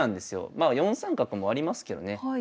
まあ４三角もありますけどね。